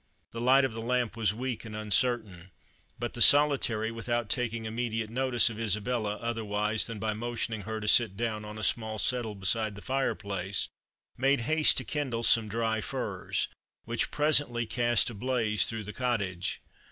The light of the lamp was weak and uncertain; but the Solitary, without taking immediate notice of Isabella, otherwise than by motioning her to sit down on a small settle beside the fireplace, made haste to kindle some dry furze, which presently cast a blaze through the cottage.